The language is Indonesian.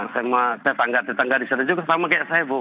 sama tetangga tetangga di sana juga sama kayak saya bu